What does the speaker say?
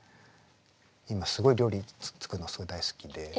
今すごい料理作るのがすごい大好きで。